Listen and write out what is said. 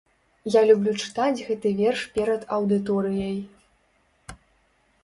Я люблю чытаць гэты верш перад аўдыторыяй.